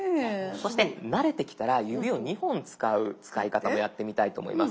そして慣れてきたら指を２本使う使い方もやってみたいと思います。